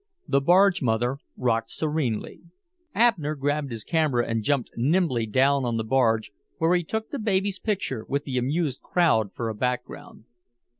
The barge mother rocked serenely. Abner grabbed his camera and jumped nimbly down on the barge, where he took the baby's picture, with the amused crowd for a background.